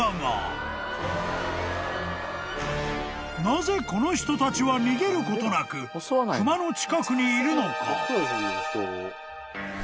［なぜこの人たちは逃げることなく熊の近くにいるのか？］